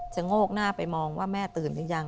โงกหน้าไปมองว่าแม่ตื่นหรือยัง